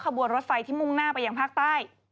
ขบวนรถไฟที่มุ่งหน้าไปยังภาคใต้